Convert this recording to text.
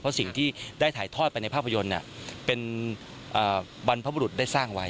เพราะสิ่งที่ได้ถ่ายทอดไปในภาพยนตร์เป็นบรรพบุรุษได้สร้างไว้